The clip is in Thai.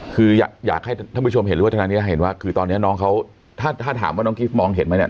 คืออยากให้ท่านผู้ชมเห็นว่าคือตอนนี้น้องเขาถ้าถามว่าน้องกิฟต์มองเห็นไหมเนี่ย